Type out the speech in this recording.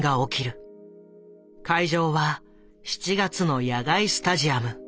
会場は７月の野外スタジアム。